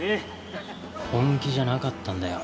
本気じゃなかったんだよ。